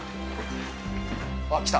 あっ、来た。